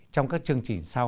trong các chương trình sau